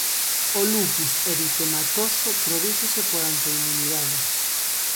O lupus eritematoso prodúcese por autoinmunidade.